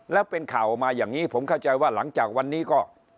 แล้วเป็นข่าวมาอย่างนี้ผมเข้าใจว่าหลังจากวันนี้ก็